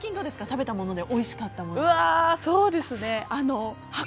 食べたものでおいしかったものは。